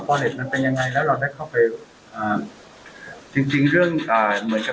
พอเล็ตมันเป็นยังไงแล้วเราได้เข้าไปอ่าจริงจริงเรื่องอ่าเหมือนกับ